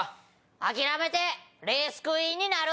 諦めてレースクイーンになる。